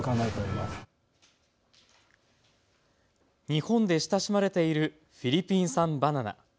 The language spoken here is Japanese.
日本で親しまれているフィリピン産バナナ。